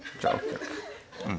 うん。